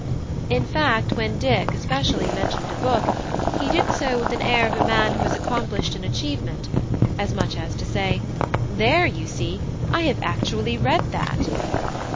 In fact, when Dick, especially, mentioned a book, he did so with an air of a man who has accomplished an achievement; as much as to say, "There, you see, I have actually read that!"